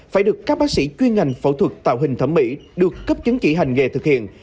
phải được các bác sĩ chuyên ngành phẫu thuật tạo hình thẩm mỹ được cấp chứng chỉ hành nghề thực hiện